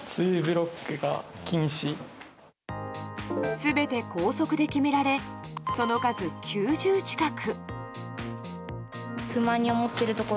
全て校則で決められその数９０近く。